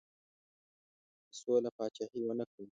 هغه هم په سوله پاچهي ونه کړه.